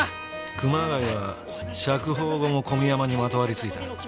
熊谷は釈放後も小宮山にまとわりついた。